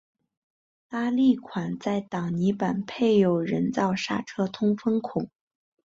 拉力款在挡泥板配有人造刹车通风孔。